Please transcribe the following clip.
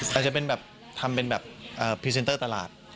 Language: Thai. แต่จะเป็นแบบทำเป็นแบบพรีเซนเตอร์ตลาด